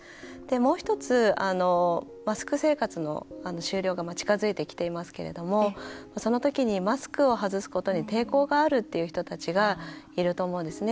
もう１つ、マスク生活の終了が近づいてきていますけれどもその時に、マスクを外すことに抵抗があるっていう人たちがいると思うんですね。